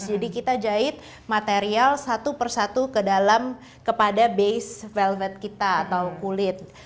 jadi kita jahit material satu persatu ke dalam kepada base velvet kita atau kulit